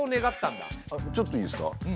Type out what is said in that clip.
あのちょっといいですか。